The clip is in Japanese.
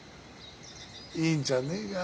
いいんじゃねえか。